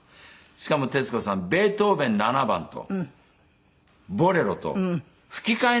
しかも徹子さんベートーベン『７番』と『ボレロ』と吹き替えなしで弾いたんですから。